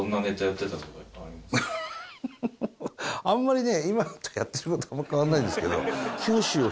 あんまりね。